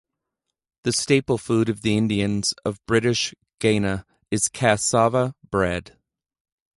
The staple food of the Indians of British Guiana is cassava bread.